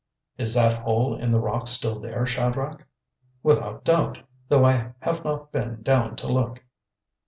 "Is that hole in the rock still there, Shadrach?" "Without doubt, though I have not been down to look."